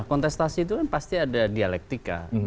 kontestasi itu kan pasti ada dialektika